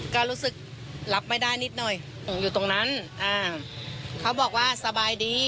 ก็รู้สึกรับไม่ได้นิดหน่อยหนูอยู่ตรงนั้นอ่าเขาบอกว่าสบายดี